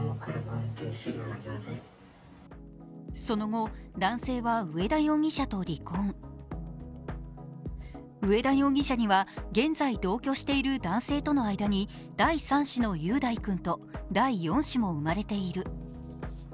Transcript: その後、男性は上田容疑者と離婚上田容疑者には、現在同居している男性との間に第３子の雄大君と第４子も生まれている。